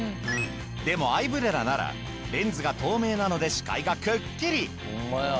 でもアイブレラならレンズが透明なので視界がくっきり！